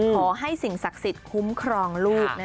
ขอให้สิ่งศักดิ์สิทธิ์คุ้มครองลูก